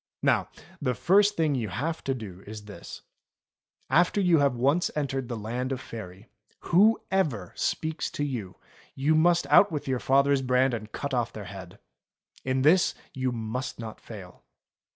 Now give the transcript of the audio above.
Now the first thing you have to do is this : After you have once entered the Land of Faery, whoever speaks to you, you must out with your father's brand and cut off their head. In this you must not fail.